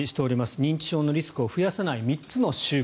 認知症のリスクを増やさない３つの習慣。